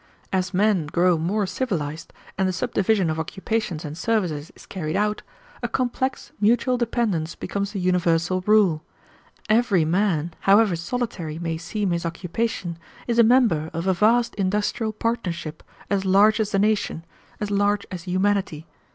As men grow more civilized, and the subdivision of occupations and services is carried out, a complex mutual dependence becomes the universal rule. Every man, however solitary may seem his occupation, is a member of a vast industrial partnership, as large as the nation, as large as humanity.